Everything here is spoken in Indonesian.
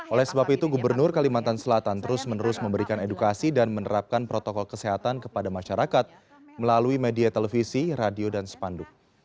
oleh sebab itu gubernur kalimantan selatan terus menerus memberikan edukasi dan menerapkan protokol kesehatan kepada masyarakat melalui media televisi radio dan spanduk